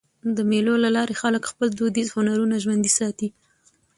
د مېلو له لاري خلک خپل دودیز هنرونه ژوندي ساتي.